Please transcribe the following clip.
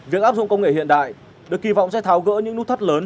việc áp dụng công nghệ hiện đại được kỳ vọng sẽ tháo gỡ những nút thắt lớn